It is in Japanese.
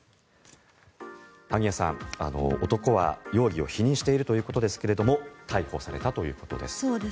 萩谷さん、男は容疑を否認しているということですが逮捕されたということです。